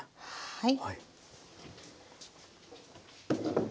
はい。